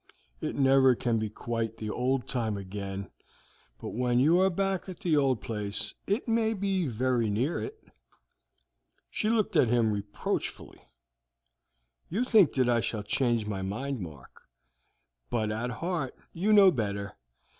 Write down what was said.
"It never can be quite the old time again, but when you are back at the old place it may be very near it." She looked at him reproachfully. "You think that I shall change my mind, Mark, but at heart you know better.